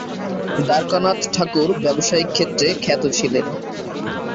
দ্বারকানাথ ঠাকুর ব্যবসায়িক ক্ষেত্রে খ্যাত ছিলেন।